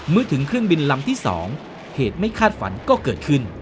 ถึงเครื่องบินลำที่๒เหตุไม่คาดฝันก็เกิดขึ้น